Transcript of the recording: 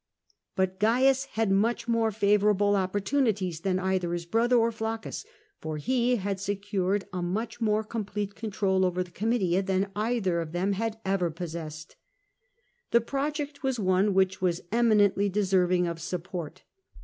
But Caius had much more favourable opportunities than either his brother or Flaccus, for he had secured a much more complete hold over the Oomitia than either of them had ever possessed. The project was one which was eminently deserving of support.